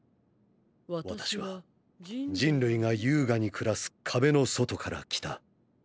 私は人類が優雅に暮らす壁の外から来た。